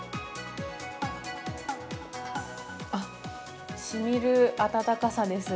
あっ、しみる温かさです。